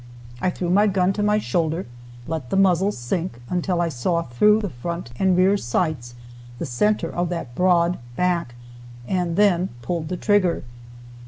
I threw my gun to my shoulder, let the muzzle sink until I saw through the front and rear sights the center of that broad back and then pulled the trigger.